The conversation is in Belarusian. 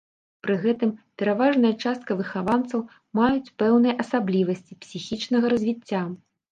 Пры гэтым, пераважная частка выхаванцаў маюць пэўныя асаблівасці псіхічнага развіцця.